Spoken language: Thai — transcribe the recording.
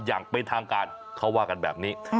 อย่างเป็นทางการเขาว่ากันแบบนี้